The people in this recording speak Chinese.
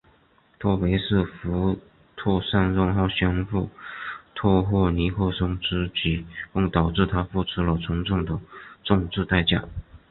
特别是福特上任后宣布特赦尼克松之举更导致他付出了沉重的政治代价。